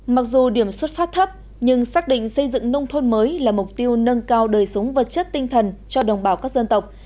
mặc dù điểm xuất phát thấp nhưng xác định xây dựng nông thôn mới là mục tiêu nâng cao đời sống vật chất tinh thần cho đồng bào các dân tộc